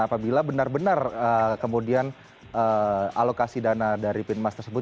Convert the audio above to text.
apabila benar benar kemudian alokasi dana dari pin emas tersebut